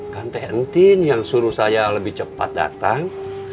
kan teh entin yang suruh saya lebih cepat datang